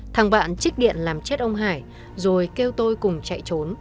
thắng bạn trích điện làm chết ông hải rồi kêu tôi cùng chạy trốn